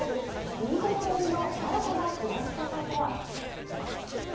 いいとこ取りの新たな暮らし方とは。